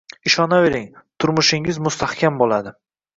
Ishonavering, turmushingiz mustahkam bo‘ladi.